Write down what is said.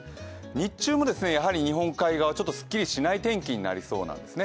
日中も日本海側、すっきりしない天気になりそうなんですね。